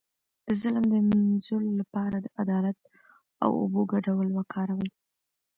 د ظلم د مینځلو لپاره د عدالت او اوبو ګډول وکاروئ